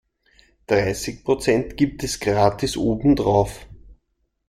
Dreißig Prozent gibt es gratis obendrauf.